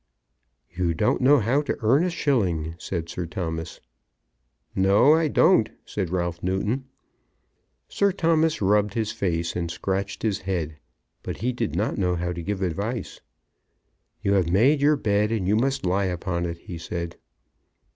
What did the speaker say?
"You don't know how to earn a shilling," said Sir Thomas. "No; I don't," said Ralph Newton. Sir Thomas rubbed his face and scratched his head; but did not know how to give advice. "You have made your bed, and you must lie upon it," he said.